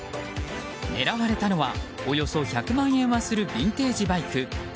狙われたのはおよそ１００万円はするビンテージバイク。